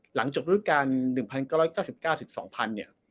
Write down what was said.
หลังจบลุคการ๑๙๙๙๒๐๐๐เนี่ย